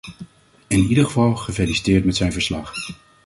In ieder geval gefeliciteerd met zijn verslag.